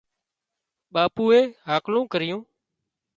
ٻاپوئي هاڪلون ڪريون